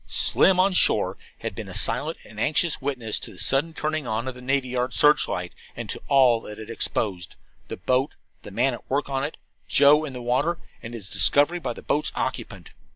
Slim, on shore, had been a silent and anxious witness to the sudden turning on of the navy yard searchlight, and to all that it exposed the boat, the man at work in it, Joe in the water, and his discovery by the boat's occupant.